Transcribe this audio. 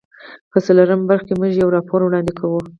په څلورمه برخه کې موږ یو راپور وړاندې کوو.